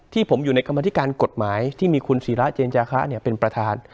ผมอยู่ในกรรมธิการกฎหมายที่มีคุณศิราเจนจาคะเป็นประธาน